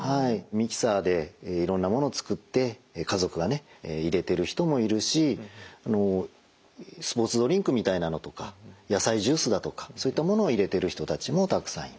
ミキサーでいろんなものを作って家族がね入れてる人もいるしスポーツドリンクみたいなのとか野菜ジュースだとかそういったものを入れてる人たちもたくさんいます。